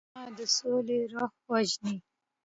وژنه د سولې روح وژني